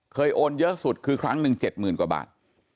เคยโอนเยอะสุดคือครั้งหนึ่งเจ็ดหมื่นกว่าบาท